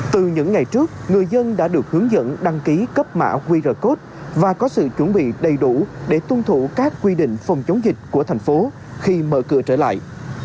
từ những ngày trước người dân đã được hướng dẫn đăng ký cấp mã qr code và có sự chuẩn bị đầy đủ để tuân thủ các quy định phòng chống dịch của thành phố khi mở cửa trở lại